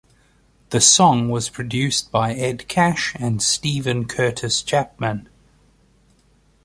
The song was produced by Ed Cash and Steven Curtis Chapman.